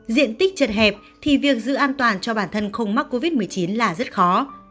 diện tích chật hẹp thì việc giữ an toàn cho bản thân không mắc covid một mươi chín là rất khó